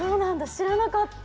知らなかった。